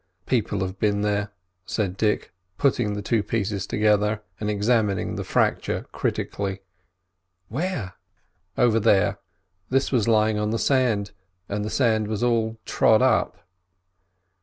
"People had been there," said Dick, putting the two pieces together and examining the fracture critically. "Where?" "Over there. This was lying on the sand, and the sand was all trod up."